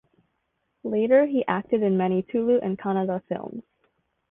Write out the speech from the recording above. Later he acted in many Tulu and Kannada films.